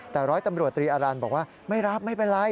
แต่ร้อยตำรวจตรีอารันทร์บอกว่าไม่รับไม่เป็นไร